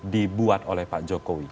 dibuat oleh pak jokowi